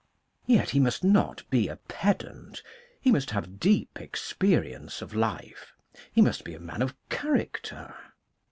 Yet he must not be a pedant: he must have deep experience of life, he must be a man of character.